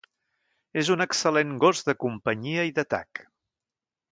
És un excel·lent gos de companyia i d'atac.